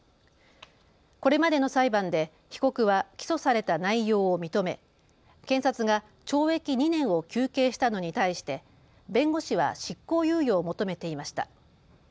これまでの裁判で被告は起訴された内容を認め検察が懲役２年を求刑したのに対して弁護士は執行猶予を求めていました。